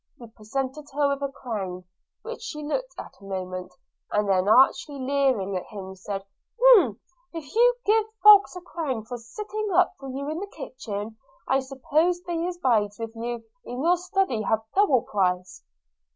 He presented her with a crown, which she looked at a moment, and then, archly leering at him, said, 'Humph! if you give folks a crown for sitting up for you in the kitchen, I suppose they as bides with you in your study have double price.'